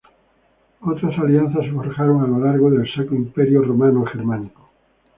Otras alianzas se forjaron a lo largo del Sacro Imperio Romano Germánico.